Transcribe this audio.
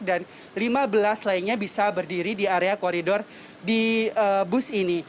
dan lima belas lainnya bisa berdiri di area koridor di bus ini